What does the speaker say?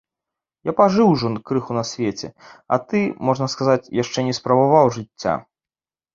Я пажыў ужо крыху на свеце, а ты, можна сказаць, яшчэ не спрабаваў жыцця.